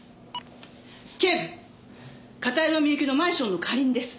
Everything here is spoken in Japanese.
警部片山みゆきのマンションの管理人です。